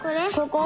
ここ？